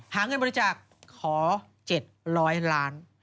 หาเงินบริจาคขอ๗๐๐ล้าน